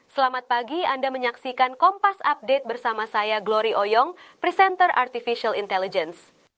selamat pagi anda menyaksikan kompas update bersama saya glory oyong presenter artificial intelligence